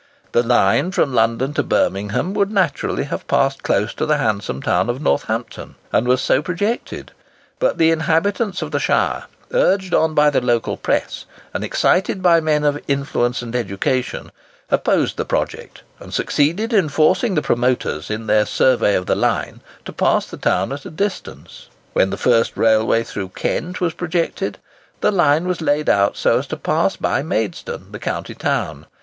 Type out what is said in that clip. The line from London to Birmingham would naturally have passed close to the handsome town of Northampton, and was so projected; but the inhabitants of the shire, urged on by the local press, and excited by men of influence and education, opposed the project, and succeeded in forcing the promoters, in their survey of the line, to pass the town at a distance. When the first railway through Kent was projected, the line was laid out so as to pass by Maidstone, the county town.